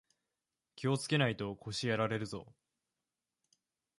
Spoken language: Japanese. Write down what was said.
気をつけないと腰やられるぞ